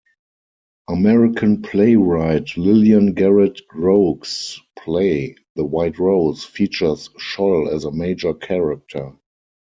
American playwright Lillian Garrett-Groag's play "The White Rose" features Scholl as a major character.